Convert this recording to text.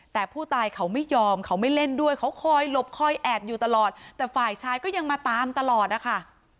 แต่ผู้ตายเขาไม่ยอมเขาไม่เล่นด้วยเขาคอยหลบคอยแอบอยู่ตลอดแต่ฝ่ายชายก็ยังมาตามตลอดนะคะ